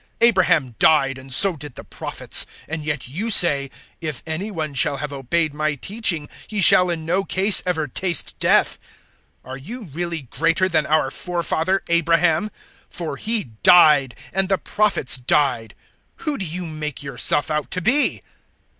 Abraham died, and so did the Prophets, and yet *you* say, `If any one shall have obeyed my teaching, he shall in no case ever taste death.' 008:053 Are you really greater than our forefather Abraham? For he died. And the prophets died. Who do you make yourself out to be?"